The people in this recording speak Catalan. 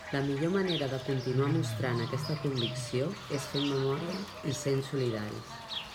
La millor manera de continuar mostrant aquesta convicció és fent memòria i sent solidaris.